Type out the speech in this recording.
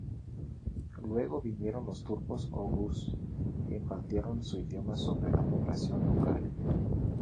Luego vinieron los turcos oghuz, que impartieron su idioma sobre la población local.